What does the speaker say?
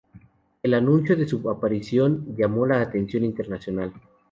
El anuncio de su aparición llamó la atención internacional.